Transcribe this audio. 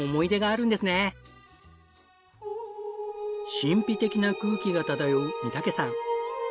神秘的な空気が漂う御岳山。